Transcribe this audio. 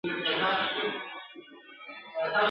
د لېوه بچی کوم چا وو پیدا کړی !.